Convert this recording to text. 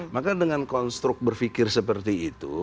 maka dengan konstruk berpikir seperti itu